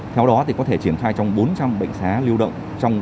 theo đó thì có thể triển khai trong bốn trăm linh bệnh xá lưu động